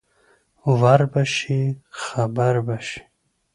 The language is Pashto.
ـ وربشې خبر بشې.